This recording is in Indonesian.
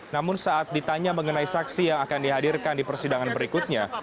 namun saat ditanya mengenai saksi yang akan dihadirkan di persidangan berikutnya